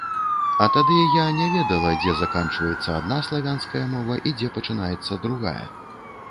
А тады я не ведала, дзе заканчваецца адна славянская мова, і дзе пачынаецца другая.